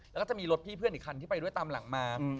แล้วก็จะมีรถพี่เพื่อนอีกคันที่ไปด้วยตามหลังมา